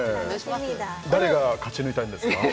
誰が勝ち抜いたんですか？